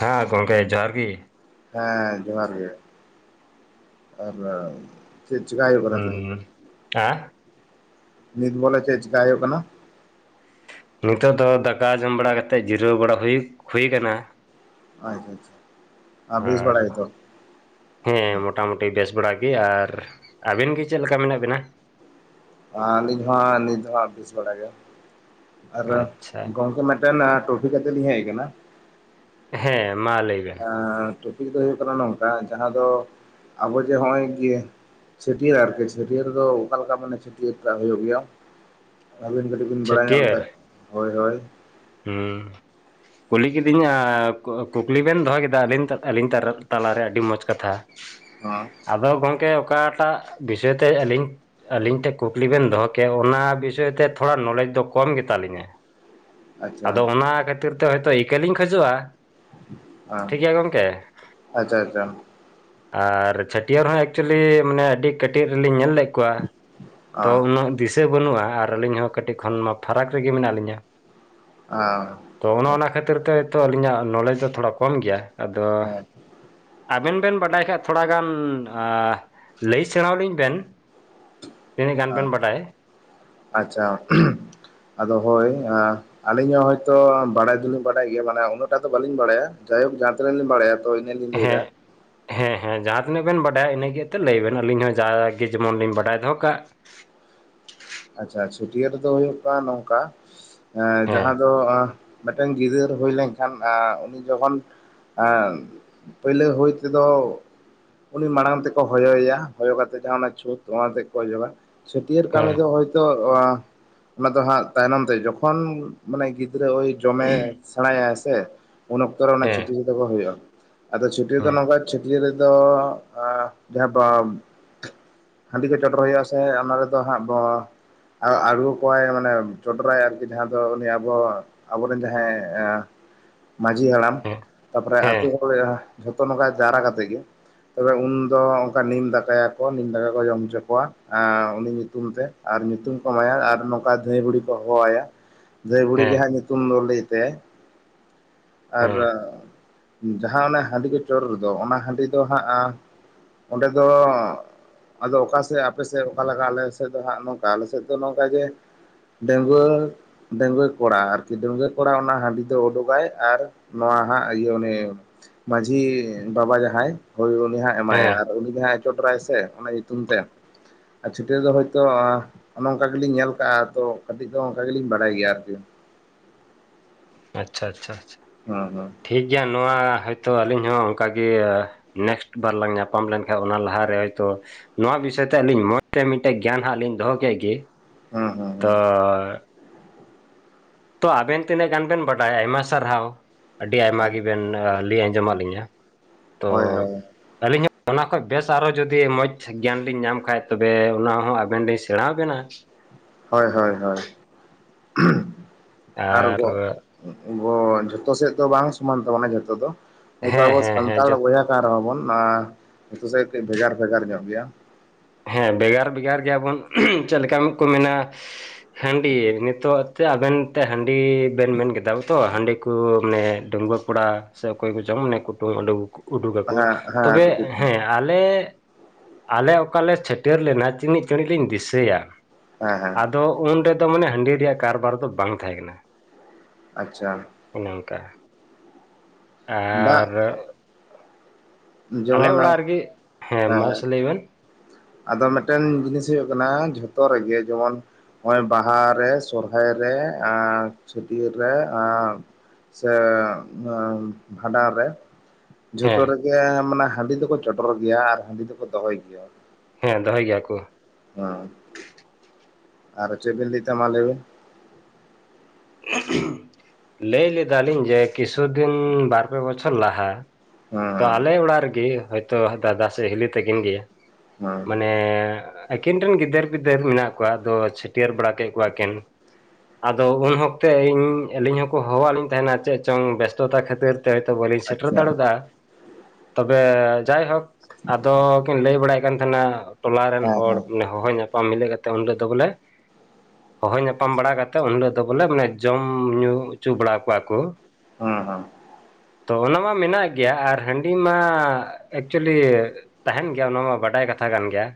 ᱦᱮᱸ ᱜᱚᱝᱠᱮ ᱡᱚᱦᱟᱨ ᱜᱮ᱾ ᱦᱮᱸ ᱡᱚᱦᱟᱨ ᱜᱮ ᱟᱨ ᱪᱮᱫ ᱪᱮᱠᱟᱭ ᱦᱩᱭᱩᱜ ᱠᱟᱱᱟ? ᱱᱤᱛᱚᱜ ᱫᱚ? ᱦᱩᱸ ᱦᱮᱸ᱾ ᱱᱤᱛ ᱵᱚᱞᱮ ᱪᱮᱫ ᱪᱮᱠᱟ ᱦᱩᱭᱩᱜ ᱠᱟᱱᱟ? ᱱᱤᱛᱚᱜ ᱫᱚ ᱫᱟᱠᱟ ᱡᱚᱢ ᱵᱟᱲᱟ ᱠᱟᱛᱮᱫ ᱡᱤᱨᱟᱹᱣ ᱵᱟᱲᱟ ᱦᱩᱭ ᱦᱩᱭ ᱟᱠᱟᱱᱟ᱾ ᱟᱪᱪᱷᱟ ᱟᱪᱪᱷᱟ ᱵᱤᱥ ᱟᱨ ᱵᱟᱲᱟ ᱜᱮ ᱛᱚ? ᱦᱮᱸ ᱢᱚᱴᱟᱢᱩᱴᱤ ᱵᱮᱥ ᱵᱟᱲᱟ ᱜᱮ ᱟᱨ ᱟᱵᱮᱱ ᱜᱮ ᱪᱮᱫ ᱞᱮᱠᱟ ᱢᱮᱱᱟᱜ ᱵᱮᱱᱟ? ᱟᱞᱤᱧ ᱦᱚᱸ ᱱᱤᱛ ᱫᱚ ᱦᱟᱸᱜ ᱵᱮᱥ ᱵᱟᱲᱟ ᱜᱮ ᱟᱨ ᱟᱪᱪᱷᱟ ᱜᱚᱝᱠᱮ ᱢᱟ ᱴᱚᱯᱷᱤ ᱠᱟᱛᱮ ᱞᱤᱧ ᱦᱮᱡ ᱟᱠᱟᱱᱟ᱾ ᱦᱮᱸ ᱢᱟ ᱞᱟᱹᱭ ᱵᱮᱱ? ᱴᱚᱯᱤᱠ ᱫᱚ ᱦᱩᱭᱩᱜ ᱠᱟᱱᱟ ᱱᱚᱝᱠᱟ ᱡᱟᱦᱟᱸ ᱫᱚ ᱟᱵᱚ ᱡᱮ ᱱᱚᱜᱼᱚᱭ ᱪᱷᱟᱹᱴᱭᱟᱹᱨ ᱟᱨᱠᱤ ᱪᱷᱟᱹᱴᱭᱟᱹᱨ ᱫᱚ ᱚᱠᱟ ᱞᱮᱠᱟ ᱢᱟᱱᱮ ᱪᱷᱟᱹᱴᱭᱟᱹᱨᱟᱜ ᱦᱩᱭᱩᱜ ᱜᱮᱭᱟ? ᱟᱹᱵᱤᱱ ᱠᱟᱹᱴᱤᱡ ᱛᱤᱱ ᱵᱮᱲᱟ ᱧᱮᱞ ᱞᱮ ᱪᱷᱟᱹᱴᱭᱟᱹᱨ ᱠᱷᱟᱡ ᱦᱳᱭ ᱦᱳᱭ᱾ ᱦᱩᱸ᱾ ᱠᱩᱞᱤ ᱠᱤᱫᱤᱧ ᱠᱩᱠᱞᱤ ᱵᱮᱱ ᱫᱚᱦᱚ ᱠᱮᱫᱟ, ᱟᱹᱞᱤᱧ ᱟᱹᱞᱤᱧ ᱛᱟᱞᱟᱨᱮ ᱟᱹᱰᱤ ᱢᱚᱡᱽ ᱠᱟᱛᱷᱟ [inaudible] ᱦᱚᱸ᱾ ᱟᱫᱚ ᱜᱚᱢᱠᱮ ᱚᱠᱟᱴᱟᱜ ᱵᱤᱥᱚᱭ ᱛᱮ ᱟᱹᱞᱤᱧ ᱟᱹᱞᱤᱧ ᱴᱷᱮᱱ ᱠᱩᱠᱞᱤ ᱵᱮᱱ ᱫᱚᱦᱚ ᱠᱮᱫᱟ, ᱚᱱᱟ ᱵᱤᱥᱚᱭ ᱛᱮ ᱛᱷᱚᱲᱟ ᱱᱚᱞᱮᱡᱽ ᱫᱚ ᱠᱚᱢ ᱜᱮ ᱛᱟᱞᱤᱧᱟ᱾ ᱟᱪᱪᱷᱟ ᱟᱫᱚ ᱦᱮᱸ ᱚᱱᱟ ᱠᱷᱟᱹᱛᱤᱨ ᱛᱮ ᱦᱚᱭᱛᱚ ᱤᱠᱟᱹ ᱞᱤᱧ ᱠᱷᱚᱡᱚᱜᱼᱟ ᱴᱷᱤᱠ ᱟᱪᱪᱷᱟ ᱜᱮᱭᱟ ᱜᱚᱝᱠᱮ᱾ ᱟᱪᱪᱷᱟ ᱦᱮᱸ ᱟᱨ ᱪᱷᱟᱹᱴᱭᱟᱹᱨ ᱦᱚᱸ ᱮᱠᱪᱩᱭᱮᱞᱤ ᱢᱟᱱᱮ ᱟᱹᱰᱤ ᱠᱟᱹᱴᱤᱡ ᱨᱮᱞᱤᱧ ᱧᱮᱞ ᱞᱮᱫ ᱠᱚᱣᱟ ᱛᱚ, ᱦᱮᱸ ᱩᱱᱟᱹᱜ ᱫᱤᱥᱟᱹ ᱵᱟᱹᱱᱩᱜᱼᱟ ᱟᱨ ᱟᱹᱞᱤᱧ ᱦᱚᱸ ᱠᱟᱹᱴᱤᱡ ᱠᱷᱚᱱ ᱢᱟ ᱯᱷᱟᱨᱟᱠ ᱨᱮᱜᱮ ᱢᱮᱱᱟᱜ ᱞᱤᱧᱟᱹ᱾ ᱚᱸ᱾ ᱛᱚ ᱚᱱᱮ ᱚᱱᱟ ᱠᱷᱟᱹᱛᱤᱨ ᱛᱮ ᱛᱚ ᱟᱹᱞᱤᱧᱟᱜ ᱱᱚᱞᱮᱡᱽ ᱫᱚ ᱛᱷᱚᱲᱟ ᱠᱚᱢ ᱜᱮᱭᱟ᱾ ᱟᱫᱚ ᱦᱮᱸ ᱟᱵᱮᱱ ᱵᱮᱱ ᱵᱟᱰᱟᱭ ᱠᱷᱟᱡ, ᱛᱷᱚᱲᱟ ᱜᱟᱱ ᱞᱟᱹᱭ ᱥᱮᱬᱟ ᱞᱤᱧ ᱵᱮᱱ᱾ ᱛᱤᱱᱟ ᱜᱟᱱ ᱦᱮᱸ ᱵᱤᱱ ᱵᱟᱰᱟᱭᱟ ᱟᱪᱪᱷᱟ ᱟᱫᱚ ᱦᱳᱭ, ᱟᱹᱞᱤᱧ ᱦᱚᱸ ᱦᱚᱭᱛᱚ ᱵᱟᱲᱟᱭ ᱫᱚᱞᱤᱧ ᱵᱟᱰᱟᱭ ᱜᱮᱭᱟ, ᱢᱟᱱᱮ ᱩᱱᱟᱹᱜ ᱴᱟ ᱫᱚ ᱵᱟᱹᱞᱤᱧ ᱵᱟᱲᱟᱭᱟ ᱡᱟᱭᱳᱠ ᱡᱟᱦᱟᱸ ᱛᱤᱱᱟᱹᱜ ᱞᱤᱧ ᱵᱟᱲᱟᱭᱟ ᱛᱚ ᱤᱱᱟ ᱞᱤᱧ ᱞᱟᱹᱭ ᱫᱟ ᱦᱮᱸ ᱾ ᱦᱮᱸ ᱦᱮᱸ ᱡᱟᱦᱟᱸ ᱛᱤᱱᱟᱹᱜ ᱵᱮᱱ ᱵᱟᱰᱟᱭᱟ ᱤᱱᱟᱹ ᱜᱮ ᱮᱛᱮ ᱞᱟᱹᱭ ᱵᱮᱱ, ᱟᱹᱞᱤᱧ ᱦᱚᱸ ᱡᱟᱠ ᱜᱮ ᱡᱮᱢᱚᱱ ᱞᱤᱧ ᱵᱟᱰᱟᱭ ᱫᱚᱦᱚ ᱠᱟᱜ ᱾ ᱟᱪᱪᱷᱟ ᱪᱷᱟᱹᱴᱭᱟᱹᱨ ᱫᱚ ᱦᱩᱭᱩᱜ ᱠᱟᱱᱟ ᱱᱚᱝᱠᱟ, ᱮᱸ ᱦᱮᱸ ᱡᱟᱦᱟᱸ ᱫᱚ ᱢᱤᱫᱴᱮᱱ ᱜᱤᱫᱟᱹᱨ ᱦᱩᱭ ᱞᱮᱱᱠᱷᱟᱱ ᱮᱸ, ᱩᱱᱤ ᱡᱚᱠᱷᱚᱱ ᱟᱸ ᱯᱟᱹᱭᱞᱟᱹ ᱦᱩᱭ ᱛᱮᱫᱚ ᱩᱱᱤ ᱢᱟᱲᱟᱝ ᱛᱮᱠᱚ ᱦᱚᱭᱚᱭᱮᱭᱟ, ᱦᱚᱭᱚ ᱠᱟᱛᱮᱜ ᱡᱟᱦᱟᱸ ᱪᱷᱩᱸᱛ ᱚᱱᱟ ᱛᱮᱫ ᱠᱚ ᱚᱪᱚᱜᱟ, ᱪᱷᱟᱹᱴᱭᱟᱹᱨ ᱠᱟᱹᱢᱤ ᱦᱮᱸ ᱫᱚ ᱤᱧ ᱫᱚ ᱟᱸ ᱚᱱᱟ ᱫᱚ ᱦᱟᱸᱜ ᱛᱟᱭᱱᱚᱢ ᱛᱮ ᱡᱚᱠᱷᱚᱱ ᱢᱟᱱᱮ ᱜᱤᱫᱽᱨᱟᱹ ᱳᱭ ᱡᱚᱢᱮ ᱥᱮᱬᱟᱭᱟᱭ ᱥᱮ ᱩᱱ ᱚᱠᱛᱚ ᱨᱮ ᱚᱱᱟ ᱦᱮᱸ ᱪᱷᱟᱴᱤᱭᱟᱹᱨ ᱫᱚᱠᱚ ᱦᱩᱭᱩᱜᱼᱟ ᱾ ᱟᱫᱚ ᱪᱷᱟᱹᱴᱭᱟᱹᱨ ᱫᱚ ᱦᱮᱸ ᱱᱚᱝᱠᱟ ᱪᱷᱟᱹᱴᱭᱟᱹᱨ ᱨᱮᱫᱚᱻ ᱟᱸ ᱡᱟᱦᱟᱸ [unintelligible] ᱦᱟᱺᱰᱤ ᱠᱚ ᱪᱚᱰᱚᱨ ᱦᱩᱭᱩᱜᱼᱟ, ᱥᱮ ᱚᱱᱟ ᱨᱮᱫᱚ ᱦᱟᱸᱜ ᱵᱚ ᱟᱬᱜᱚ ᱠᱚᱣᱟᱭ ᱢᱟᱱᱮ ᱪᱚᱰᱚᱨᱟᱭ ᱟᱨᱠᱤ ᱡᱟᱦᱟᱸ ᱫᱚ ᱩᱱᱤ ᱟᱵᱚ ᱟᱵᱚ ᱨᱮᱱ ᱡᱟᱦᱟᱸᱭ ᱮᱸ ᱾ ᱢᱟᱹᱡᱷᱤ ᱦᱟᱲᱟᱢ, ᱦᱮᱸ ᱛᱟᱯᱚᱨᱮ ᱦᱮᱸ ᱟᱹᱛᱩᱳ ᱦᱚᱲ, ᱡᱷᱚᱛᱚ ᱱᱚᱝᱠᱟ ᱡᱟᱣᱨᱟ ᱠᱟᱛᱮᱜ ᱜᱮ ᱾ ᱛᱚᱵᱮ ᱩᱱ ᱫᱚ ᱚᱱᱠᱟ ᱱᱤᱢ ᱫᱟᱠᱟᱭᱟᱠᱚ, ᱱᱤᱢ ᱫᱟᱠᱟ ᱠᱚ ᱡᱚᱢ ᱦᱚᱪᱚ ᱠᱚᱣᱟ ᱩᱱᱤ ᱧᱩᱛᱩᱢ ᱛᱮ ᱾ ᱟᱨ ᱧᱩᱛᱩᱢ ᱠᱚ ᱮᱢᱟᱭᱟ ᱟᱨ ᱱᱚᱝᱠᱟ ᱫᱷᱟᱹᱭ ᱵᱩᱲᱤ ᱠᱚ ᱦᱚᱦᱚ ᱟᱭᱟ ᱾ ᱫᱷᱟᱹᱭ ᱵᱩᱲᱤ ᱜᱮ ᱦᱮᱸ ᱦᱟᱸᱜ ᱧᱩᱛᱩᱢ ᱫᱚ ᱞᱟᱹᱭ ᱛᱟᱭᱟᱭ, ᱟᱨ ᱦᱮᱸ ᱡᱟᱦᱟᱸ ᱚᱱᱟ ᱦᱟᱺᱰᱤ ᱠᱚ ᱪᱚᱰᱚᱨ ᱫᱚ ᱚᱱᱟ ᱦᱟᱺᱰᱤ ᱫᱚ ᱦᱟᱸᱜ ᱚᱸᱰᱮ ᱫᱚ, ᱟᱫᱚ ᱚᱠᱟᱥᱮᱫ ᱟᱯᱮᱥᱮᱫ ᱚᱠᱟ ᱞᱮᱠᱟ ᱟᱞᱮ ᱥᱮᱫ ᱫᱚ ᱦᱟᱸᱜ ᱱᱚᱝ ᱟᱞᱮ ᱥᱮᱫ ᱫᱚ ᱱᱚᱝᱠᱟ ᱡᱮ ᱰᱟᱹᱝᱜᱩᱣᱟᱹ ᱰᱟᱺᱜᱩᱣᱟᱹ ᱠᱚᱲᱟ ᱟᱨᱠᱤ ᱰᱟᱺᱜᱩᱣᱟᱹ ᱠᱚᱲᱟ ᱚᱱᱟ ᱦᱟᱺᱰᱤ ᱫᱚ ᱳᱰᱳᱠᱟᱭ ᱟᱨ ᱱᱚᱣᱟ ᱦᱟᱸᱜ ᱤᱭᱟᱹ ᱩᱱᱤ ᱢᱟᱺᱡᱷᱤ ᱵᱟᱵᱟ ᱡᱟᱦᱟᱸᱭ ᱦᱳᱭ ᱩᱱᱤ ᱦᱟᱸᱜ ᱮᱢᱟᱭᱟ, ᱦᱮᱸ ᱟᱨ ᱩᱱᱤ ᱡᱟᱦᱟᱭ ᱪᱚᱰᱚᱨᱟᱭ ᱥᱮ ᱚᱱᱟ ᱧᱩᱛᱩᱢ ᱛᱮ ᱟᱨ ᱪᱷᱟᱹᱴᱭᱟᱹᱨ ᱫᱚ ᱦᱚᱳᱭᱛᱳ ᱚᱱᱮ ᱚᱱᱠᱟ ᱜᱮᱞᱤᱧ ᱧᱮᱞ ᱠᱟᱜᱼᱟ ᱛᱚ ᱠᱟᱹᱴᱤᱡ ᱫᱚ ᱚᱱᱠᱟ ᱜᱮᱞᱤᱧ ᱵᱟᱲᱟᱭ ᱜᱮᱭᱟ ᱟᱨᱠᱤ ᱾ ᱟᱪᱪᱷᱟ ᱟᱪᱪᱷᱟ ᱟᱪᱷᱟ ᱾ ᱦᱩᱸ ᱦᱩᱸ ᱾ ᱴᱷᱤᱠ ᱜᱮᱭᱟ ᱱᱚᱣᱟ ᱦᱚᱭᱛᱚ ᱟᱹᱞᱤᱧ ᱦᱚᱸ ᱚᱱᱠᱟᱜᱮ ᱱᱮᱠᱥᱴ ᱵᱟᱨ ᱞᱟᱝ ᱧᱟᱯᱟᱢ ᱞᱮᱱᱠᱷᱟᱡ ᱚᱱᱟ ᱞᱟᱦᱟᱨᱮ ᱦᱳᱭᱛᱳ ᱱᱚᱣᱟ ᱵᱤᱥᱚᱭ ᱛᱮ ᱟᱹᱞᱤᱧ ᱢᱚᱡᱽᱛᱮ ᱢᱤᱫᱴᱮᱡ ᱜᱮᱭᱟᱱ ᱦᱟᱸᱜ ᱞᱤᱧ ᱫᱚᱦᱚ ᱠᱮᱫ ᱜᱮ, ᱦᱩᱸ ᱛᱚ ᱦᱩᱸ ᱛᱚ ᱟᱵᱮᱱ ᱛᱤᱱᱟᱹᱜ ᱜᱟᱱ ᱵᱮᱱ ᱵᱟᱰᱟᱭᱟ ᱟᱭᱢᱟ ᱥᱟᱨᱦᱟᱣ ᱟᱹᱰᱤ ᱟᱭᱢᱟ ᱦᱩᱸ ᱜᱮᱵᱮᱱ ᱞᱟᱹᱭ ᱟᱸᱡᱚᱢᱟᱫ ᱞᱤᱧᱟᱹ ᱾ ᱛᱚ ᱦᱳᱭ ᱦᱳᱭ ᱟᱹᱞᱤᱧ ᱦᱚᱸ ᱚᱱᱟ ᱠᱷᱚᱡ ᱵᱮᱥ ᱟᱨᱚ ᱡᱩᱫᱤ ᱢᱚᱡᱽ ᱜᱮᱭᱟᱱ ᱞᱤᱧ ᱧᱟᱢ ᱠᱷᱟᱡ ᱛᱚᱵᱮ ᱚᱱᱟ ᱦᱚᱸ ᱟᱵᱮᱱ ᱞᱤᱧ ᱥᱮᱬᱟ ᱵᱮᱱᱟ ᱾ ᱦᱳᱭ ᱦᱳᱭ ᱦᱳᱭ [unintelligible] ᱟᱨ ᱜᱚ ᱜᱚ ᱡᱷᱚᱛᱚ ᱥᱮᱫ ᱫᱚ ᱵᱟᱝ ᱥᱚᱢᱟᱱ ᱛᱟᱵᱚᱱᱟ ᱡᱷᱚᱛᱚ ᱫᱚ ᱦᱚᱭᱛᱚ ᱦᱮᱸ ᱟᱵᱚ ᱦᱮᱸ ᱦᱮᱸ ᱥᱟᱱᱛᱟᱲ ᱡᱚᱛᱚ ᱵᱚᱭᱦᱟ ᱠᱟᱱ ᱨᱮᱦᱚᱸ ᱵᱚᱱ ᱟ ᱡᱚᱛᱚ ᱥᱮᱫ ᱠᱟᱹᱡ ᱵᱷᱮᱜᱟᱨ ᱵᱷᱮᱜᱟᱨ ᱧᱚᱜ ᱜᱮᱭᱟ ᱾ ᱦᱮᱸ ᱵᱷᱮᱜᱟᱨ ᱵᱷᱮᱜᱟᱨ ᱜᱮᱭᱟᱵᱚᱱ [unintelligible] ᱪᱮᱫ ᱞᱮᱠᱟ ᱠᱚ ᱢᱮᱱᱟ ᱦᱟᱺᱰᱤ ᱱᱤᱛᱳᱜ ᱮᱛᱮ ᱟᱵᱮᱱ ᱮᱛᱮ ᱦᱟᱺᱰᱤ ᱵᱮᱱ ᱢᱮᱱ ᱠᱮᱫᱟ ᱛᱚ ᱦᱟᱺᱰᱤ ᱠᱚ ᱢᱟᱱᱮ ᱰᱟᱹᱝᱜᱩᱣᱟᱹ ᱠᱚᱲᱟ ᱥᱮ ᱚᱠᱚᱭ ᱠᱚ ᱪᱚᱝ ᱢᱟᱱᱮ ᱠᱩᱴᱩᱝ ᱩᱰᱩᱠ ᱟᱠᱚ, ᱦᱮᱸ ᱦᱮᱸ ᱛᱚᱵᱮ ᱴᱩᱠᱩᱡ ᱠᱷᱚᱱ ᱦᱮᱸ ᱟᱞᱮ ᱟᱞᱮ ᱚᱠᱟ ᱞᱮ ᱪᱷᱟᱹᱴᱭᱟᱹᱨ ᱞᱮᱱᱟ ᱛᱤᱱᱤᱜ ᱪᱟᱲᱤᱡ ᱞᱤᱧ ᱫᱤᱥᱟᱹᱭᱟ ᱦᱮᱸ ᱦᱮᱸ ᱾ ᱟᱫᱚ ᱩᱱ ᱨᱮ ᱫᱚ ᱢᱟᱱᱮ ᱦᱟᱺᱰᱤ ᱨᱮᱭᱟᱜ ᱠᱟᱨᱵᱟᱨ ᱫᱚ ᱵᱟᱝ ᱛᱟᱦᱮᱸ ᱠᱟᱱᱟ ᱾ ᱟᱪᱪᱷᱟ ᱾ ᱚᱱᱮ ᱚᱱᱠᱟ, ᱵᱟ ᱟᱨ ᱟᱞᱮ ᱡᱮᱢᱚᱱ, ᱦᱮᱸ ᱚᱲᱟᱜ ᱨᱮᱜᱮ ᱦᱮᱸ ᱾ ᱢᱟᱥᱮ ᱞᱟᱹᱭ ᱵᱮᱱ ᱟᱫᱚ ᱢᱮᱫᱴᱮᱱ ᱡᱤᱱᱤᱥ ᱦᱩᱭᱩᱜ ᱠᱟᱱᱟ ᱡᱷᱚᱛᱚ ᱨᱮᱜᱮ ᱡᱮᱢᱚᱱ ᱱᱚᱜ-ᱚᱭ ᱵᱟᱦᱟᱨᱮ, ᱥᱚᱨᱦᱟᱭ ᱨᱮ ᱟᱨ ᱪᱷᱟᱹᱴᱭᱟᱹᱨ ᱨᱮ ᱟᱸ ᱥᱮ ᱵᱷᱟᱸᱰᱟᱱ ᱨᱮ ᱡᱷᱚᱛᱚ ᱦᱮᱸ ᱨᱮᱜᱮ ᱢᱟᱱᱮ ᱦᱟᱺᱰᱤ ᱫᱚᱠᱚ ᱪᱚᱰᱚᱨ ᱜᱮᱭᱟ ᱟᱨ ᱦᱟᱺᱰᱤ ᱫᱚᱠᱚ ᱫᱚᱦᱚᱭ ᱜᱮᱭᱟ᱾ ᱦᱮᱸ ᱫᱚᱦᱚᱭ ᱜᱮᱭᱟ ᱠᱚ᱾ ᱦᱮᱸ ᱟᱨ ᱪᱮᱫ ᱵᱤᱱ ᱞᱟᱹᱭᱤᱛ ᱛᱟᱦᱮ ᱢᱟ ᱞᱟᱭᱵᱤᱱ ᱞᱟᱹᱭ ᱞᱮᱫᱟᱞᱤᱧ ᱡᱮ ᱠᱤᱪᱷᱩ ᱫᱤᱱ ᱵᱟᱨᱯᱮ ᱵᱚᱪᱷᱚᱨ ᱞᱟᱦᱟ ᱛᱚ ᱦᱮᱸ ᱟᱞᱮ ᱚᱲᱟᱜ ᱨᱮᱜᱮ ᱦᱚᱳᱭᱛᱳ ᱫᱟᱫᱟ ᱥᱮ ᱦᱤᱞᱤ ᱛᱟᱹᱠᱤᱱ ᱜᱮ, ᱦᱮᱸ ᱢᱟᱱᱮ ᱟᱹᱠᱤᱱ ᱨᱮᱱ ᱜᱤᱫᱟᱹᱨ ᱯᱤᱫᱟᱹᱨ ᱢᱮᱱᱟᱜ ᱠᱚᱣᱟ ᱟᱫᱚ ᱪᱷᱟᱹᱴᱭᱟᱹᱨ ᱵᱟᱲᱟ ᱠᱮᱫ ᱠᱚᱣᱟᱠᱤᱱ᱾ ᱟᱫᱚ ᱩᱱ ᱚᱠᱛᱮ ᱤᱧ ᱟᱹᱞᱤᱧ ᱦᱚᱸᱠᱚ ᱦᱚᱦᱚᱣᱟᱜ ᱞᱤᱧ ᱛᱟᱦᱮᱱᱟ ᱪᱮᱫ ᱪᱚᱝ ᱵᱮᱥᱛᱚᱛᱟ ᱠᱷᱟᱹᱛᱤᱨ ᱦᱚᱭᱛᱚ ᱵᱚᱞᱮᱧ ᱥᱮᱴᱮᱨ ᱟᱪᱪᱷᱟ ᱫᱟᱲᱮ ᱫᱟ᱾ ᱛᱚᱵᱮ ᱡᱟᱭᱦᱳᱠ ᱟᱫᱚ ᱠᱤᱱ ᱞᱟᱹᱭ ᱵᱟᱲᱟᱭᱮᱫ ᱠᱟᱱ ᱛᱟᱦᱮᱱᱟ ᱴᱚᱞᱟ ᱨᱮᱱ ᱦᱮᱸ ᱦᱚᱲ ᱦᱮᱸ ᱦᱚᱦᱚ ᱧᱟᱯᱟᱢ ᱢᱤᱞᱟᱹ ᱠᱟᱛᱮ ᱩᱱ ᱦᱤᱞᱚᱜ ᱫᱚ ᱵᱚᱞᱮ ᱦᱚᱦᱚ ᱧᱟᱯᱟᱢ ᱵᱟᱲᱟ ᱠᱟᱛᱮᱫ ᱩᱱ ᱦᱤᱞᱳᱜ ᱫᱚ ᱵᱚᱞᱮ ᱢᱟᱱᱮ ᱡᱚᱢ ᱧᱩ ᱦᱚᱪᱚ ᱵᱟᱲᱟ ᱠᱚᱣᱟ ᱠᱩ᱾ ᱦᱮᱸ ᱦᱮᱸ ᱛᱚ ᱚᱱᱟ ᱢᱟ ᱢᱮᱱᱟᱜ ᱜᱮ ᱜᱮᱭᱟ ᱟᱨ ᱦᱟᱺᱰᱤ ᱢᱟ ᱮᱠᱪᱩᱭᱮᱞᱤ ᱛᱟᱦᱮᱱ ᱜᱮᱭᱟ ᱚᱱᱟ ᱢᱟ ᱵᱟᱰᱟᱭ ᱠᱟᱛᱷᱟ ᱠᱟᱱ ᱜᱮᱭᱟ᱾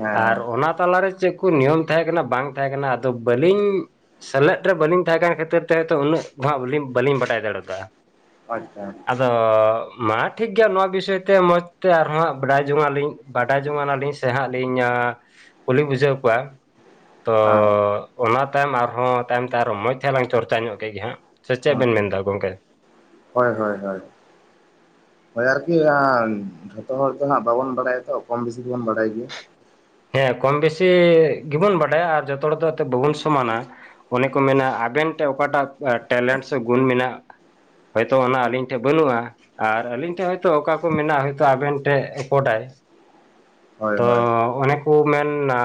ᱦᱮᱸ ᱟᱨ ᱦᱮᱸ ᱚᱱᱟ ᱛᱟᱞᱟ ᱨᱮ ᱪᱮᱫ ᱠᱚ ᱱᱤᱭᱚᱢ ᱛᱟᱦᱮᱸ ᱠᱟᱱᱟ ᱵᱟᱝ ᱛᱟᱦᱮᱸ ᱠᱟᱱᱟ ᱟᱫᱚ ᱵᱟᱹᱞᱤᱧ ᱥᱮᱞᱮᱫ ᱨᱮ ᱵᱟᱹᱞᱤᱧ ᱛᱟᱦᱮᱸ ᱠᱟᱱ ᱠᱷᱟᱹᱛᱤᱨ ᱛᱮ ᱩᱱᱟᱹᱜ ᱵᱟᱹᱞᱤᱧ ᱵᱟᱰᱟᱭ ᱫᱟᱲᱮ ᱟᱫᱟ᱾ ᱟᱪᱪᱷᱟ ᱟᱫᱚ ᱢᱟ ᱴᱷᱤᱠ ᱜᱮᱭᱟ ᱱᱚᱣᱟ ᱵᱤᱥᱚᱭ ᱛᱮ ᱢᱚᱡᱽ ᱛᱮ ᱟᱨᱦᱚ ᱦᱟᱸᱜ ᱵᱟᱰᱟᱭ ᱡᱚᱝ ᱟᱹᱞᱤᱧ᱾ ᱵᱟᱰᱟᱭ ᱡᱚᱝᱟᱱᱟᱞᱤᱧ ᱥᱮ ᱦᱟᱸᱜ ᱞᱤᱧ ᱠᱩᱞᱤ ᱵᱩᱡᱷᱟᱹᱣ ᱠᱚᱣᱟ ᱛᱚ ᱦᱮᱸ ᱚᱱᱟ ᱛᱟᱭᱚᱢ ᱟᱨᱦᱚᱸ ᱛᱟᱭᱚᱢ ᱛᱮ ᱟᱨᱦᱚ ᱢᱚᱡᱽ ᱛᱮ ᱞᱟᱝ ᱪᱚᱨᱪᱟ ᱧᱚᱜ ᱠᱮᱫ ᱜᱮ ᱦᱟᱸᱜ ᱥᱮ ᱪᱮᱫ ᱵᱮᱱ ᱦᱮᱸ ᱢᱮᱱᱫᱟ ᱜᱚᱝᱠᱮ ᱦᱳᱭ ᱦᱳᱭ ᱦᱳᱭ ᱦᱳᱭ ᱟᱨᱠᱤ ᱡᱷᱚᱛᱚ ᱦᱚᱲ ᱫᱚ ᱦᱟᱸᱜ ᱵᱟᱵᱚᱱ ᱵᱟᱲᱟᱭᱟ ᱛᱚ ᱠᱚᱢ ᱵᱮᱥᱤ ᱫᱚ ᱵᱚᱱ ᱵᱟᱲᱟᱭ ᱜᱮᱭᱟ᱾ ᱦᱮᱸ ᱠᱚᱢ ᱵᱮᱥᱤ ᱜᱮᱵᱚᱱ ᱵᱟᱰᱟᱭᱟ ᱟᱨ ᱡᱚᱛᱚ ᱦᱚᱲ ᱫᱚ ᱮᱱᱛᱮ ᱵᱟᱵᱚᱱ ᱥᱚᱢᱟᱱᱟ᱾ ᱚᱱᱮ ᱠᱚ ᱢᱮᱱᱟ ᱟᱵᱮᱱ ᱴᱷᱮᱱ ᱚᱠᱟᱴᱟᱜ ᱴᱮᱞᱮᱱᱴ ᱥᱮ ᱜᱩᱱ ᱢᱮᱱᱟᱜ-ᱟ᱾ ᱦᱚᱭᱛᱳ ᱚᱱᱟ ᱟᱹᱞᱤᱧ ᱴᱷᱮᱱ ᱵᱟᱹᱱᱩᱜᱼᱟ᱾ ᱟᱨ ᱟᱹᱞᱤᱧ ᱴᱷᱮᱱ ᱦᱚᱭᱛᱳ ᱚᱠᱟ ᱠᱚ ᱢᱮᱱᱟᱜᱼᱟ ᱦᱚᱭᱛᱳ ᱟᱵᱮᱱ ᱴᱷᱮᱱ ᱤᱱᱯᱳᱴᱮᱱ᱾ ᱦᱳᱭ ᱛᱚ ᱦᱳᱭ ᱚᱱᱮ ᱠᱚ ᱢᱮᱱᱟ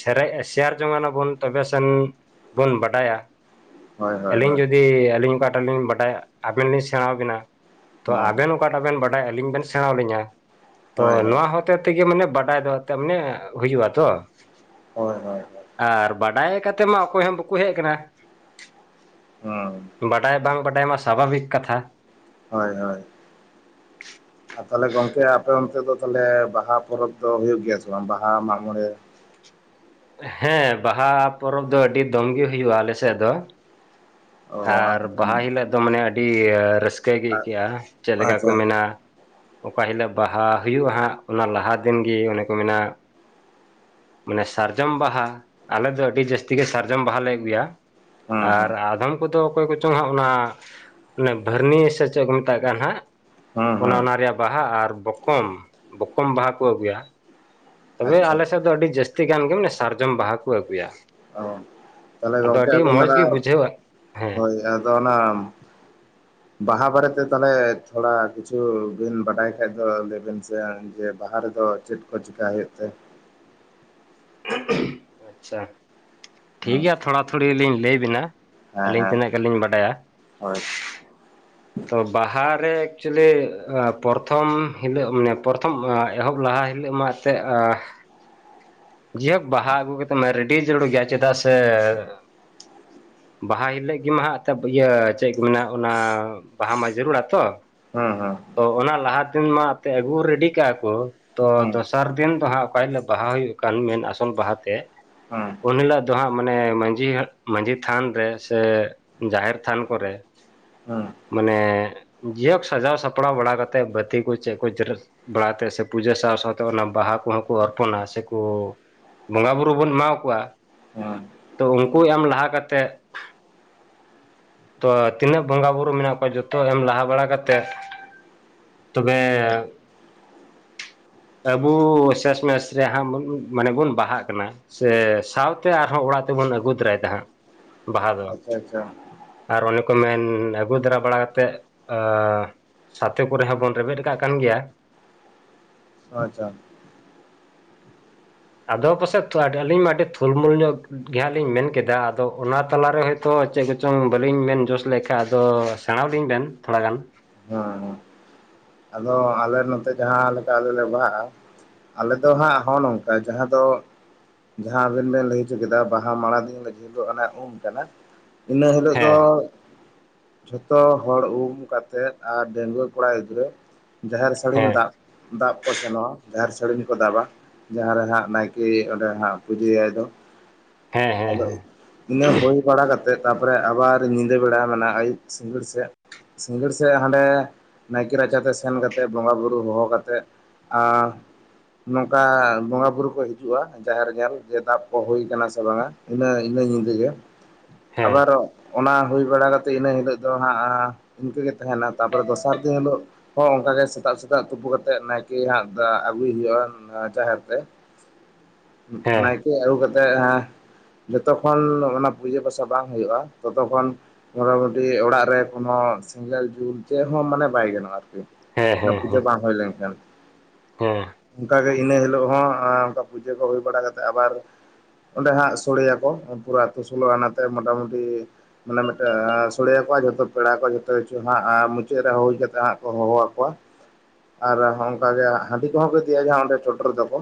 ᱥᱮᱨᱮ ᱥᱮᱭᱟᱨ ᱡᱚᱝᱟᱱᱟᱵᱚᱱ ᱛᱚᱵᱮ ᱥᱮᱱ ᱵᱚᱱ ᱵᱟᱰᱟᱭᱟ᱾ ᱦᱳᱭ ᱦᱳᱭ ᱟᱹᱞᱤᱧ ᱦᱳᱭ ᱡᱩᱫᱤ ᱟᱹᱞᱤᱧ ᱚᱠᱟᱴᱟᱜ ᱞᱤᱧ ᱵᱟᱰᱟᱭᱟ ᱟᱵᱮᱱ ᱞᱤᱧ ᱥᱮᱬᱟ ᱟᱵᱮᱱᱟ, ᱛᱚ ᱦᱮᱸ ᱟᱵᱮᱱ ᱚᱠᱟᱴᱟᱜ ᱵᱮᱱ ᱵᱟᱰᱟᱭᱟ ᱟᱹᱞᱤᱧ ᱵᱮᱱ ᱥᱮᱬᱟᱹ ᱟᱞᱤᱧᱟ ᱛᱚ ᱦᱳᱭ ᱦᱳᱭ ᱱᱚᱣᱟ ᱦᱚᱛᱮ ᱛᱮᱜᱮ ᱢᱟᱱᱮ ᱯᱨᱟᱭ ᱫᱚ ᱛᱚ ᱢᱟᱱᱮ ᱦᱩᱭᱩᱜᱼᱟ ᱛᱚ᱾ ᱦᱳᱭ ᱦᱳᱭ ᱟᱨ ᱵᱟᱰᱟᱭ ᱠᱟᱛᱮᱫ ᱢᱟ ᱚᱠᱚᱭ ᱦᱚᱸ ᱵᱟᱠᱚ ᱦᱮᱡ ᱟᱠᱟᱱᱟ᱾ ᱦᱩᱸ ᱵᱟᱰᱟᱭ ᱵᱟᱝ ᱵᱟᱰᱟᱭ ᱢᱟ ᱥᱟᱵᱷᱟᱵᱤᱠ ᱠᱟᱛᱷᱟ᱾ ᱦᱳᱭ ᱦᱳᱭ ᱟᱨ ᱛᱟᱦᱚᱞᱮ ᱜᱚᱝᱠᱮ ᱟᱯᱮ ᱚᱱᱛᱮ ᱫᱚ ᱛᱟᱦᱚᱞᱮ ᱵᱟᱦᱟ ᱯᱚᱨᱚᱵᱽ ᱫᱚ ᱦᱩᱭᱩᱜ ᱜᱮᱭᱟ ᱥᱮ ᱵᱟᱝ ᱵᱟᱦᱟ ᱢᱟᱜ ᱢᱚᱬᱮ, ᱦᱮᱸ ᱵᱟᱦᱟ ᱯᱚᱨᱚᱵᱽ ᱫᱚ ᱟᱹᱰᱤ ᱫᱚᱢ ᱜᱮ ᱦᱩᱭᱩᱜᱼᱟ, ᱟᱞᱮᱥᱮᱫ ᱫᱚ᱾ ᱟᱨ ᱵᱟᱦᱟ ᱦᱤᱞᱳᱜ ᱫᱚ ᱢᱟᱱᱮ ᱟᱹᱰᱤ ᱨᱟᱹᱥᱠᱟᱹ ᱜᱮ ᱟᱹᱭᱠᱟᱹᱜᱼᱟ, ᱪᱮᱫ ᱞᱮᱠᱟ ᱠᱚ ᱟᱪᱪᱷᱟ ᱢᱮᱱᱟ ᱚᱠᱟ ᱦᱤᱞᱳᱜ ᱵᱟᱦᱟ ᱦᱩᱭᱩᱜᱼᱟ ᱦᱟᱸᱜ ᱚᱱᱟ ᱞᱟᱦᱟ ᱫᱤᱱᱜᱮ ᱚᱱᱮ ᱠᱚ ᱢᱮᱱᱟ ᱢᱟᱱᱮ ᱥᱟᱨᱡᱚᱢ ᱵᱟᱦᱟ ᱟᱞᱮ ᱫᱚ ᱟᱹᱰᱤ ᱡᱟᱹᱥᱛᱤ ᱜᱮ ᱥᱟᱨᱡᱚᱢ ᱵᱟᱦᱟᱞᱮ ᱟᱹᱜᱩᱭᱟ ᱦᱮᱸ ᱟᱨ ᱦᱮᱸ ᱩᱱᱠᱩ ᱫᱚ ᱚᱠᱚᱭ ᱠᱚᱪᱚᱝ ᱦᱟᱸᱜ ᱚᱱᱟ ᱮ ᱵᱷᱟᱹᱨᱱᱤ ᱥᱮ ᱪᱮᱫ ᱠᱚ ᱢᱮᱛᱟᱜ ᱠᱟᱱ ᱦᱟᱸᱜ᱾ ᱦᱮᱸ ᱚᱱᱟ ᱦᱮᱸ ᱚᱱᱟ ᱨᱮᱭᱟᱜ ᱵᱟᱦᱟ ᱟᱨ ᱵᱚᱠᱚᱢ ᱵᱚᱠᱚᱢ ᱵᱟᱦᱟ ᱠᱚ ᱟᱹᱜᱩᱭᱟ᱾ ᱛᱚᱵᱮ ᱟᱪᱪᱷᱟ ᱟᱞᱮ ᱥᱮᱫ ᱫᱚ ᱟᱹᱰᱤ ᱡᱟᱹᱥᱛᱤ ᱜᱟᱱ ᱜᱮ ᱢᱟᱱᱮ ᱥᱟᱨᱡᱚᱢ ᱵᱟᱦᱟ ᱠᱚ ᱟᱹᱜᱩᱭᱟ। ᱚ ᱛᱟᱦᱚᱞᱮ ᱟᱫᱚ ᱜᱚᱝᱠᱮ ᱟᱹᱰᱤ ᱢᱚᱸᱡᱽ ᱜᱮ ᱵᱩᱡᱷᱟᱹᱣᱟ, ᱦᱮᱸ। ᱫᱚ ᱚᱱᱟ। ᱵᱟᱦᱟ ᱵᱟᱨᱮᱛᱮ ᱛᱟᱦᱚᱞᱮ ᱛᱷᱚᱲᱟ, ᱠᱤᱪᱷᱩ ᱵᱤᱱ ᱵᱟᱰᱟᱭ ᱠᱷᱟᱡ ᱫᱚ ᱞᱟᱹᱭᱵᱤᱱ ᱥᱮ। ᱡᱮ ᱵᱟᱦᱟ ᱨᱮᱫᱚ ᱪᱮᱫ ᱠᱚ ᱪᱮᱠᱟ ᱦᱳᱭᱳᱜ ᱛᱮ? ᱟᱪᱪᱷᱟ ᱦᱮᱸ ᱴᱷᱤᱠᱜᱮᱭᱟ ᱛᱷᱚᱲᱟ ᱛᱷᱩᱲᱤ ᱞᱤᱧ ᱞᱟᱹᱭ ᱟᱵᱤᱱᱟ। ᱦᱮᱸ ᱟᱹᱞᱤᱧ ᱦᱮᱸ ᱛᱤᱱᱟᱹᱜ ᱜᱮᱞᱤᱧ ᱵᱟᱰᱟᱭᱟ। ᱦᱳᱭ ᱛᱚ ᱵᱟᱦᱟᱨᱮ ᱮᱠᱪᱩᱭᱮᱞᱤ ᱯᱨᱚᱛᱷᱚᱢ ᱦᱤᱞᱳᱜ ᱢᱟᱱᱮ ᱯᱨᱚᱛᱷᱚᱢ ᱮᱦᱚᱵ ᱞᱟᱦᱟ ᱦᱤᱞᱳᱜ ᱢᱟ ᱥᱮ ᱟ ᱡᱟᱭᱦᱳᱠ ᱵᱟᱦᱟ ᱟᱹᱜᱩ ᱠᱟᱛᱮᱫ ᱢᱮ ᱨᱮᱰᱤ ᱡᱟᱹᱨᱩᱲ ᱜᱮᱭᱟ ᱪᱮᱫᱟᱜ ᱥᱮ ᱵᱟᱦᱟ ᱦᱤᱞᱳᱜ ᱜᱮᱢᱟ ᱦᱟᱜ ᱮᱱᱛᱮᱫ ᱤᱭᱟᱹ ᱪᱮᱫ ᱠᱚ ᱢᱮ ᱚᱱᱟ। ᱵᱟᱦᱟ ᱢᱟ ᱡᱟᱹᱨᱩᱲᱟ ᱛᱚ। ᱦᱮᱸ ᱦᱮᱸ। ᱛᱚ ᱚᱱᱟ ᱞᱟᱦᱟ ᱫᱤᱱ ᱢᱟ ᱟᱯᱮ ᱟᱹᱜᱩ ᱨᱮᱰᱤ ᱠᱟᱜᱼᱟ ᱠᱚ। ᱛᱚ ᱦᱩᱸ ᱫᱚᱥᱟᱨ ᱫᱤᱱ ᱫᱚ ᱦᱟᱸᱜ ᱚᱠᱟ ᱦᱤᱞᱳᱜ ᱵᱟᱦᱟ ᱦᱩᱭᱩᱜ ᱠᱟᱱ ᱢᱮᱱ ᱟᱥᱩᱞ ᱵᱟᱦᱟ ᱛᱮ ᱦᱩᱸ ᱩᱱ ᱦᱤᱞᱳᱜ ᱫᱚ ᱦᱟᱸᱜ ᱢᱟᱱᱮ ᱢᱟᱺᱡᱷᱤ ᱢᱟᱺᱡᱷᱤ ᱛᱷᱟᱱ ᱨᱮ ᱥᱮ ᱡᱟᱦᱮᱨ ᱛᱷᱟᱱ ᱠᱚᱨᱮ ᱦᱩᱸ ᱢᱟᱱᱮ। ᱡᱤᱭᱳᱚᱠ ᱥᱟᱡᱟᱣ ᱥᱟᱯᱲᱟᱣ ᱵᱟᱲᱟ ᱠᱟᱛᱮᱫ ᱵᱟᱹᱛᱤ ᱠᱚ ᱪᱮᱫ ᱠᱚ ᱡᱮᱨᱮᱫ ᱵᱟᱲᱟ ᱛᱮ ᱥᱮ ᱯᱩᱡᱟᱹ ᱥᱟᱶ ᱥᱟᱶᱛᱮ ᱚᱱᱟ ᱵᱟᱦᱟ ᱠᱚᱦᱚᱸ ᱠᱚ ᱚᱨᱯᱚᱱᱟ ᱥᱮ। ᱳ ᱵᱚᱸᱜᱟ ᱵᱳᱨᱳ ᱵᱚᱱ ᱮᱢᱟ ᱠᱚᱣᱟ। ᱦᱩᱸ ᱛᱚ ᱩᱱᱠᱩ ᱮᱢ ᱞᱟᱦᱟ ᱠᱟᱛᱮᱫ ᱛᱚ ᱛᱤᱱᱟᱹᱜ ᱵᱚᱸᱜᱟᱼ ᱵᱩᱨᱩ ᱢᱮᱱᱟᱜ ᱠᱚᱣᱟ ᱡᱚᱛᱚ ᱮᱢ ᱞᱟᱦᱟ ᱵᱟᱲᱟ ᱠᱟᱛᱮᱫ, ᱛᱚᱵᱮ ᱟᱵᱚ ᱥᱮᱥ ᱢᱮᱥ ᱨᱮᱭᱟᱜ ᱦᱟᱸᱜ ᱵᱚᱱ। ᱢᱟᱱᱮ ᱵᱚᱱ ᱵᱟᱦᱟᱜ ᱠᱟᱱᱟ ᱥᱮ ᱥᱟᱶᱛᱮ ᱟᱨᱦᱚᱸ ᱚᱲᱟᱜ ᱛᱮᱵᱚᱱ ᱟᱹᱜᱩ ᱛᱟᱨᱟᱭ ᱮᱫᱟ ᱦᱟᱸᱜ᱾ ᱵᱟᱦᱟ ᱫᱚ ᱟᱪᱪᱷᱟ ᱟᱪᱪᱷᱟ ᱟᱨ ᱚᱱᱮ ᱠᱚ ᱢᱮᱱ ᱟᱹᱜᱩ ᱫᱟᱨᱟ ᱵᱟᱲᱟ ᱠᱟᱛᱮᱫ, ᱟ ᱥᱟᱛᱮ ᱠᱚᱨᱮ ᱦᱚᱸ ᱵᱚᱱ ᱨᱮᱵᱮᱫ ᱟᱠᱟᱟᱜ ᱠᱟᱱ ᱜᱮᱭᱟ। ᱟᱪᱪᱷᱟ ᱟᱫᱚ ᱯᱟᱥᱮᱡ ᱟᱹᱞᱤᱧ ᱢᱟ ᱟᱹᱰᱤ ᱛᱩᱞᱢᱩᱞ ᱧᱚᱜ ᱜᱮ ᱦᱟᱸᱜ ᱞᱤᱧ ᱢᱮᱱ ᱠᱮᱫᱟ, ᱟᱫᱚ ᱚᱱᱟ ᱛᱟᱞᱟᱨᱮ ᱦᱚᱭ ᱛᱚ ᱪᱮᱫ ᱠᱚᱪᱚᱝ ᱵᱟᱹᱞᱤᱧ ᱢᱮᱱ ᱡᱚᱥ ᱞᱮᱠᱷᱟᱱ ᱟᱫᱚ ᱥᱮᱬᱟ ᱟᱹᱞᱤᱧ ᱵᱮᱱ ᱛᱷᱚᱲᱟ ᱜᱟᱱ। ᱦᱮᱸ ᱟᱫᱚ ᱟᱞᱮ ᱱᱚᱛᱮ ᱡᱟᱦᱟᱸ ᱞᱮᱠᱟ ᱟᱞᱮ ᱞᱮ ᱵᱟᱦᱟᱜᱼᱟ। ᱟᱞᱮ ᱫᱚ ᱦᱟᱸᱜ ᱦᱚᱸᱜ ᱱᱚᱝᱠᱟ ᱡᱟᱦᱟᱸ ᱫᱚ ᱡᱟᱦᱟᱸ ᱟᱵᱤᱱ ᱵᱮᱱ ᱞᱟᱹᱭ ᱦᱚᱪᱚ ᱠᱮᱫᱟ ᱵᱟᱦᱟ ᱢᱟᱲᱟᱝ ᱫᱤᱱ ᱚᱱᱟ ᱩᱢ ᱠᱟᱱᱟ। ᱤᱱᱟᱹ ᱦᱤᱞᱳᱜ ᱫᱚ ᱦᱮᱸ ᱡᱷᱚᱛᱚ ᱦᱚᱲ ᱩᱢ ᱠᱟᱛᱮᱫ ᱟᱨ ᱰᱤᱝᱜᱟᱹᱣᱟ. ᱠᱚᱲᱟ ᱜᱤᱫᱽᱨᱟᱹ ᱡᱟᱦᱮᱨ ᱥᱟᱹᱲᱤᱢ ᱦᱮᱸ ᱫᱟᱜ ᱫᱟᱵ ᱠᱚ ᱥᱮᱱᱚᱜᱼᱟ ᱡᱟᱦᱮᱨ ᱥᱟᱹᱲᱤᱢ ᱠᱚ ᱫᱟᱵᱟ। ᱡᱟᱦᱟᱸ ᱨᱮ ᱦᱟᱸᱜ ᱱᱟᱭᱠᱮ ᱚᱸᱰᱮ ᱦᱟᱸᱜ ᱯᱩᱡᱟᱹᱭᱟᱭ ᱫᱚ ᱦᱮᱸ ᱦᱮᱸ ᱟᱫᱚ। ᱦᱮᱸ ᱤᱱᱟᱹ ᱦᱩᱭ ᱵᱟᱲᱟ ᱠᱟᱛᱮᱫ ᱛᱟᱨᱯᱚᱨᱮ ᱟᱵᱟᱨ ᱧᱤᱫᱟᱹ ᱵᱮᱲᱟ ᱢᱮ ᱟᱹᱩᱵ ᱥᱤᱸᱜᱟᱹᱲ ᱥᱮᱫ। ᱥᱤᱸᱜᱟᱹᱲ ᱥᱮᱫ ᱦᱟᱸᱰᱮ ᱱᱟᱭᱠᱮ ᱨᱟᱪᱟ ᱛᱮ ᱥᱮᱱ ᱠᱟᱛᱮᱫ ᱵᱚᱸᱜᱟ ᱵᱳᱨᱳ ᱦᱚᱦᱚ ᱠᱟᱛᱮᱫ ᱟᱨ ᱱᱚᱝᱠᱟ ᱵᱚᱸᱜᱟ ᱵᱩᱨᱩ ᱠᱚ ᱦᱤᱡᱩᱜᱼᱟ ᱡᱟᱦᱮᱨ ᱧᱮᱞ ᱡᱮ ᱫᱟᱵ ᱠᱚ ᱦᱩᱭ ᱟᱠᱟᱱᱟ ᱥᱮ ᱵᱟᱝᱟ। ᱤᱱᱟᱹ ᱤᱱᱟᱹ ᱧᱤᱫᱟᱹ ᱜᱮ ᱦᱮᱸ ᱟᱵᱟᱨᱚᱜ ᱚᱱᱟ ᱦᱩᱭ ᱵᱟᱲᱟ ᱠᱟᱛᱮᱫ ᱤᱱᱟᱹ ᱦᱤᱞᱳᱜ ᱫᱚ ᱦᱟᱸᱜ ᱤᱱᱠᱟᱹ ᱜᱮ ᱛᱟᱦᱮᱱᱟ ᱛᱟᱨ ᱯᱚᱨᱮ ᱫᱚᱥᱟᱨ ᱫᱤᱱ ᱦᱤᱞᱳᱜ। ᱦᱚᱸ ᱚᱱᱠᱟ ᱜᱮ ᱥᱮᱛᱟᱜ ᱥᱮᱛᱟᱜ ᱛᱩᱯᱩ ᱠᱟᱛᱮᱜ ᱱᱟᱭᱠᱮ ᱦᱟᱸᱜ ᱟᱹᱜᱩᱭ ᱦᱩᱭᱩᱜᱼᱟ ᱡᱟᱦᱮᱨ ᱛᱮ। ᱦᱮᱸ ᱱᱟᱭᱠᱮ ᱟᱹᱜᱩ ᱠᱟᱛᱮᱫ ᱦᱮᱸ। ᱡᱚᱛᱚᱠᱷᱚᱱ ᱚᱱᱟ ᱯᱩᱡᱟᱹ ᱯᱟᱥᱟ ᱵᱟᱝ ᱦᱩᱭᱩᱜᱼᱟ ᱛᱚᱛᱚᱠᱷᱚᱱ ᱢᱚᱴᱟᱢᱩᱴᱤ ᱚᱲᱟᱜ ᱨᱮ ᱠᱚᱱᱚ ᱥᱮᱸᱜᱮᱞ ᱡᱩᱞ ᱪᱮᱫ ᱦᱚᱸ ᱢᱟᱱᱮ ᱵᱟᱭ ᱜᱟᱱᱚᱜᱼᱟ ᱟᱨᱠᱤ। ᱦᱮᱸ ᱚᱱᱟ ᱦᱮᱸ ᱯᱩᱡᱟᱹ ᱦᱮᱸ ᱾ ᱵᱟᱝ ᱦᱩᱭ ᱞᱮᱱᱠᱷᱟᱱ ᱾ ᱦᱩᱸ ᱾ ᱚᱱᱠᱟᱜᱮ ᱤᱱᱟᱹ ᱦᱤᱞᱚᱜ ᱦᱚᱸ ᱚᱱ ᱯᱩᱡᱟᱹ ᱠᱚ ᱦᱩᱭ ᱵᱟᱲᱟ ᱠᱟᱛᱮᱜ ᱟᱵᱟᱨ ᱚᱸᱰᱮ ᱦᱟᱸᱜ ᱥᱚᱲᱮᱭᱟᱠᱚ ᱯᱩᱨᱟᱹ ᱟᱛ ᱥᱚᱞᱚ ᱚᱱᱟᱛᱮ ᱢᱚᱴᱟᱢᱩᱴᱤ ᱢᱟᱱᱮ ᱢᱤᱫᱴᱮᱡ ᱥᱚᱲᱤᱭᱟᱹ ᱠᱚᱣᱟ ᱡᱷᱚᱛᱚ ᱯᱮᱲᱟ ᱠᱚ ᱡᱷᱚᱛᱚ ᱠᱤᱪᱷᱩ ᱦᱟᱸᱜ ᱢᱩᱪᱟᱹᱫ ᱨᱮ ᱦᱩᱭ ᱠᱟ ᱠᱟᱛᱮᱜ ᱦᱟᱸᱜ ᱦᱚᱦᱚ ᱟᱠᱚᱣᱟ᱾ ᱟᱨ ᱚᱱᱠᱟᱜ ᱜᱮ ᱦᱟᱺᱰᱤ ᱠᱚᱦᱚᱸ ᱠᱚ ᱤᱫᱜᱤᱭᱟ ᱡᱟᱦᱟᱸ ᱚᱸᱰᱮ ᱪᱚᱰᱚᱨ ᱫᱚ ᱠᱚ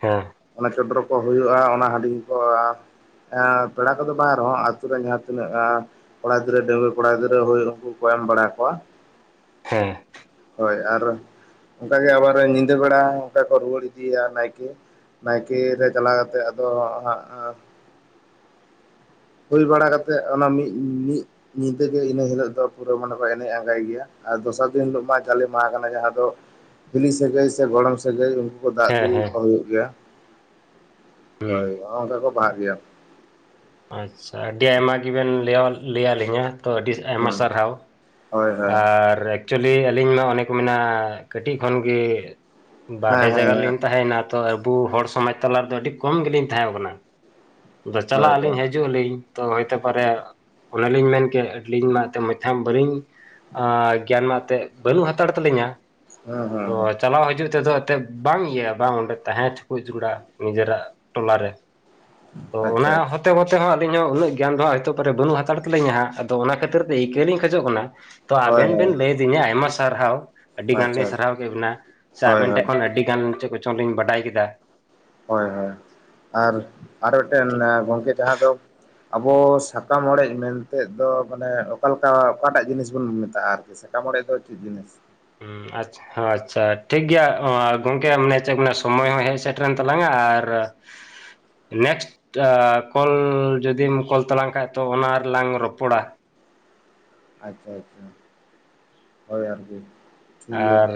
ᱦᱮᱸ ᱾ ᱚᱱᱟ ᱪᱚᱫᱽᱨᱚ ᱠᱚ ᱦᱩᱭᱩᱜᱼᱟ ᱚᱱᱟ ᱦᱟᱺᱰᱤᱧ ᱠᱚ ᱯᱮᱲᱟ ᱠᱚᱫᱚ ᱵᱟᱝ ᱨᱮᱦᱚᱸ ᱟᱹᱛᱩ ᱨᱮ ᱡᱟᱦᱟᱸ ᱛᱤᱱᱟᱹᱜ ᱠᱚᱲᱟ ᱜᱤᱫᱽᱨᱟᱹ ᱰᱟᱹᱝᱣᱟᱹ ᱠᱚᱲᱟ ᱜᱤᱫᱽᱨᱟᱹ ᱦᱩᱭ ᱠᱩ ᱠᱚ ᱮᱢ ᱵᱟᱲᱟ ᱠᱚᱣᱟ᱾ ᱦᱮᱸ ᱾ ᱦᱚᱭ ᱟᱨ ᱚᱱᱠᱟᱜᱮ ᱟᱵᱟᱨ ᱧᱤᱫᱟᱹ ᱵᱮᱲᱟ ᱚᱱᱠᱟ ᱠᱚ ᱨᱩᱣᱟᱹᱲ ᱤᱫᱤᱭᱟ ᱱᱟᱭᱠᱮ ᱱᱟᱭᱠᱮ ᱨᱮ ᱪᱟᱞᱟᱣ ᱠᱟᱛᱮᱫ ᱟᱫᱚ ᱦᱟᱸᱜ ᱾ ᱦᱩᱭ ᱵᱟᱲᱟ ᱠᱟᱛᱮᱫ ᱚᱱᱟ ᱢᱤᱫ ᱢᱤᱫ ᱧᱤᱫᱟᱹᱜᱮ ᱤᱱᱟᱹ ᱦᱤᱞᱚᱜ ᱫᱚ ᱯᱩᱨᱟᱹ ᱢᱟᱱᱮ ᱠᱚ ᱮᱱᱮᱡ ᱟᱸᱜᱟᱭ ᱜᱮᱭᱟ ᱟᱨ ᱫᱚᱥᱟᱨ ᱫᱤᱱ ᱦᱤᱞᱚᱜ ᱢᱟ ᱡᱟᱞᱮ ᱢᱟᱦᱟ ᱠᱟᱱᱟ ᱡᱟᱦᱟᱸ ᱫᱚ ᱦᱤᱞᱤ ᱥᱟᱹᱜᱟᱹᱭ ᱥᱮ ᱜᱚᱲᱚᱢ ᱥᱟᱹᱜᱟᱹᱭ ᱫᱟᱜ ᱦᱮᱸ ᱦᱮᱸ ᱫᱩᱞᱩ ᱦᱮᱸ ᱠᱚ ᱦᱩᱭᱩᱜ ᱜᱮᱭᱟ ᱦᱩᱸ ᱦᱚᱭ ᱚᱱᱰᱮ ᱠᱚ ᱵᱟᱦᱟᱜ ᱜᱮᱭᱟ ᱾ ᱟᱪᱪᱷᱟ ᱟᱹᱰᱤ ᱟᱭᱢᱟ ᱜᱮᱵᱮᱱ ᱞᱟᱹᱭᱟᱞᱤᱧᱟ ᱛᱚ ᱟᱹᱰᱤ ᱟᱭᱢᱟ ᱦᱩᱸ ᱥᱟᱨᱦᱟᱣ ᱾ ᱦᱳᱭ ᱦᱳᱭ ᱟᱨ ᱮᱠᱪᱩᱞᱤ ᱟᱹᱞᱤᱧ ᱢᱟ ᱚᱱᱮ ᱠᱚ ᱢᱮᱱᱟ ᱠᱟᱹᱴᱤᱡ ᱠᱷᱚᱱᱜᱮ ᱦᱮᱸ ᱵᱟᱨᱦᱮ ᱦᱮᱸ ᱡᱟᱜᱟ ᱨᱮ ᱦᱮᱸ ᱞᱤᱧ ᱛᱟᱦᱮᱸᱭᱮᱱᱟ ᱛᱚ ᱟᱵᱚ ᱦᱚᱲ ᱥᱚᱢᱟᱡᱽ ᱛᱟᱞᱟ ᱨᱮᱫᱚ ᱟᱹᱰᱤ ᱠᱚᱢ ᱜᱮᱞᱤᱧ ᱛᱟᱦᱮᱸ ᱠᱟᱱᱟ ᱾ ᱟᱫᱚ ᱪᱟᱞᱟᱜ ᱦᱳᱭ ᱟᱹᱞᱤᱧ ᱦᱳᱭ ᱦᱤᱡᱩᱜ ᱟᱹᱞᱤᱧ ᱛᱚ ᱦᱚᱭᱛᱮ ᱯᱚᱨᱮ ᱚᱱᱟᱞᱤᱧ ᱢᱮᱱ ᱠᱤᱞᱤᱧ ᱢᱟ ᱮᱱᱛ ᱢᱟᱛᱷᱟᱢ ᱵᱟᱞᱤᱧ ᱜᱮᱭᱟᱱ ᱢᱟ ᱮᱱᱛᱮᱫ ᱵᱟᱹᱱᱩᱜ ᱦᱟᱛᱟᱲ ᱛᱟᱹᱞᱤᱧᱟ ᱦᱩᱸ ᱛᱚ ᱦᱩᱸ ᱪᱟᱞᱟᱣ ᱦᱤᱡᱩᱜ ᱛᱮᱫᱚ ᱮᱛᱮᱫ ᱵᱟᱝ ᱤᱭᱟᱹ ᱵᱟᱝ ᱚᱸᱰᱮ ᱛᱟᱦᱮᱸ ᱴᱚᱠᱚᱡ ᱡᱩᱲᱟ ᱱᱤᱡᱮᱨᱟᱜ ᱴᱚᱞᱟᱨᱮ ᱾ ᱛᱚ ᱟᱪᱪᱷᱟ ᱚᱱᱟ ᱟᱪᱪᱷᱟ ᱦᱚᱛᱮᱛᱮ ᱦᱚᱸ ᱟᱞᱤᱧ ᱦᱚᱸ ᱩᱱᱟᱹᱜ ᱜᱮᱭᱟᱱ ᱫᱚᱜᱮ ᱵᱟᱹᱱ ᱦᱟᱛᱟᱲ ᱛᱟᱹᱞᱤᱧᱟᱸ ᱟᱫᱚ ᱚᱱᱟ ᱠᱷᱟᱹᱛᱤᱨ ᱛᱮ ᱤᱠᱟᱹ ᱞᱤᱧ ᱠᱷᱚᱡᱚᱜ ᱠᱟᱱᱟ ᱾ ᱛᱚ ᱦᱳᱭ ᱟᱵᱮᱱ ᱵᱮᱱ ᱦᱳᱭ ᱞᱟᱹᱭ ᱟᱹᱫᱤᱧᱟ ᱟᱭᱢᱟ ᱥᱟᱨᱦᱟᱣ ᱟᱹᱰᱤ ᱜᱟᱱ ᱞᱤᱧ ᱟᱪᱪᱷᱟ ᱥᱟᱨᱦᱟᱣ ᱠᱮᱫ ᱵᱤᱱᱟ ᱥᱮ ᱦᱳᱭ ᱟᱵᱮᱱ ᱴᱷᱮᱱ ᱦᱳᱭ ᱠᱷᱚᱱ ᱟᱹᱰᱤ ᱟᱹᱰᱤ ᱜᱟᱱ ᱪᱮᱫ ᱠᱚᱪᱚᱝ ᱞᱤᱧ ᱵᱟᱰᱟᱭ ᱠᱮᱫᱟ ᱾ ᱦᱚᱭ ᱦᱚᱭ ᱟᱨ ᱟᱨ ᱢᱤᱫᱴᱮᱱ ᱜᱚᱢᱠᱮ ᱡᱟᱦᱟᱸ ᱫᱚ ᱟᱵᱚ ᱥᱟᱠᱟᱢ ᱚᱲᱮᱡ ᱢᱮᱱᱛᱮᱫ ᱫᱚ ᱢᱟᱱᱮ ᱚᱠᱟᱞᱮᱠᱟ ᱚᱠᱟᱴᱟᱜ ᱡᱤᱱᱤᱥ ᱵᱚᱱ ᱢᱮᱛᱟᱜᱼᱟ ᱟᱨᱠᱤ ᱾ ᱥᱟᱠᱟᱢ ᱚᱲᱮᱡᱽ ᱫᱚ ᱪᱮᱫ ᱡᱤᱱᱤᱥ? ᱦᱩᱸ ᱟᱪᱪᱷᱟ ᱾ ᱟᱪᱪᱷᱟ ᱴᱷᱤᱠ ᱜᱮᱭᱟ ᱜᱚᱢᱠᱮ ᱢᱟᱱᱮ ᱪᱮᱫ ᱢᱮ ᱥᱚᱢᱚᱭ ᱦᱚᱸ ᱦᱮᱡ ᱥᱮᱴᱨᱮᱱ ᱛᱟᱞᱟᱝᱼᱟ ᱟᱨ [inaudible] ᱱᱮᱠᱥᱴ ᱠᱚᱞ ᱡᱩᱫᱤᱢ ᱠᱚᱞ ᱛᱟᱞᱟᱝ ᱠᱷᱟᱡ ᱛᱚ ᱚᱱᱟ ᱨᱮᱞᱟᱝ ᱨᱚᱯᱚᱲᱟ ᱾ ᱟᱪᱪᱷᱟ ᱟᱪᱪᱷᱟ ᱦᱚᱭ ᱟᱨᱠᱤ ᱾ ᱟᱨ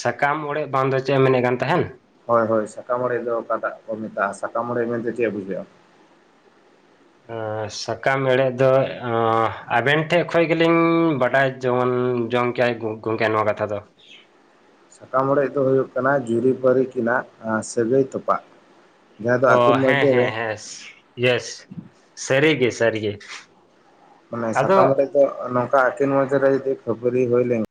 ᱥᱟᱠᱟᱢ ᱚᱲᱮᱡ ᱵᱟᱝ ᱫᱚ ᱪᱮᱫ ᱮᱢ ᱢᱮᱱᱮᱫ ᱠᱟᱱ ᱛᱟᱦᱮᱱ? ᱦᱚᱭ ᱦᱚᱭ ᱥᱟᱠᱟᱢ ᱚᱲᱮᱡ ᱫᱚ ᱚᱠᱟᱴᱟᱜ ᱠᱚ ᱢᱮᱛᱟᱜᱼᱟ ᱥᱟᱠᱟᱢ ᱚᱲᱮᱡᱽ ᱢᱮᱱᱛᱮ ᱪᱮᱫ ᱵᱩᱡᱷᱟᱹᱜᱼᱟ? ᱥᱟᱠᱟᱢ ᱮᱲᱮ ᱫᱚ ᱟᱵᱮᱱ ᱴᱷᱮᱱ ᱠᱷᱚᱱ ᱜᱮᱞᱤᱧ ᱵᱟᱰᱟᱭ ᱡᱮᱢᱚᱱ ᱡᱚᱢ ᱠᱮᱟᱭ ᱜᱚᱝᱠᱮ ᱱᱚᱣᱟ ᱠᱟᱛᱷᱟ ᱫᱚ ᱾ ᱥᱟᱠᱟᱢ ᱚᱲᱮᱡ ᱫᱚ ᱦᱩᱭᱩᱜ ᱠᱟᱱᱟ ᱡᱩᱨᱤ-ᱯᱟᱹᱨᱤ ᱠᱤᱱᱟᱜ ᱥᱟᱹᱜᱟᱹᱭ ᱛᱚᱯᱟᱜ᱾ ᱡᱟᱦᱟᱸ ᱫᱚ ᱚ ᱟᱹᱠᱤᱱ ᱦᱮᱸ ᱢᱚᱫᱽᱫᱷᱮ ᱨᱮ ᱦᱮᱸ ᱦᱮᱸ ᱤᱭᱮᱥ ᱥᱟᱹᱨᱤ ᱜᱮ ᱥᱟᱹᱨᱤ ᱜᱮ ᱢᱟᱱᱮ ᱥᱟᱠᱟᱢ ᱨᱮᱫᱚ ᱱᱚᱝᱠᱟ ᱟᱹᱠᱤᱱ ᱢᱚᱫᱽᱷᱮ ᱨᱮ ᱡᱩᱫᱤ ᱠᱷᱟᱹᱯᱟᱨᱤ ᱦᱩᱭ ᱞᱮᱱᱠᱷᱟᱱ᱾